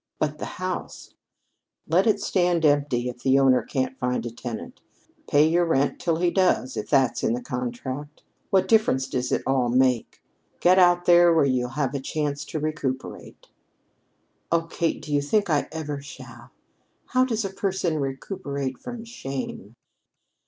"But the house " "Let it stand empty if the owner can't find a tenant. Pay your rent till he does, if that's in the contract. What difference does all that make? Get out where you'll have a chance to recuperate." "Oh, Kate, do you think I ever shall? How does a person recuperate from shame?"